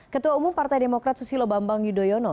ketua umum partai demokrat susilo bambang yudhoyono